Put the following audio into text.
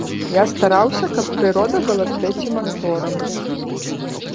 Я стараўся, каб прырода была трэцім акторам.